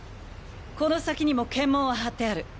この先にも検問は張ってある。